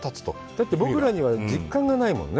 だって僕らには実感がないもんね。